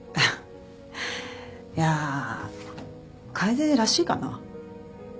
いや楓らしいかな。